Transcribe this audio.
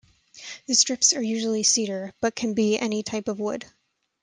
The strips are usually cedar, but can be any type of wood.